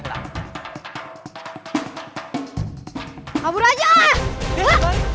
kabur aja lah